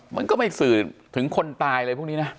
มันก็ไม่สื่อถึงคนตายอะไรพวกนี้นะ